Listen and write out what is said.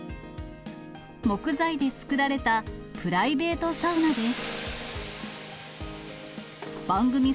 木材で作られたプライベートサウナです。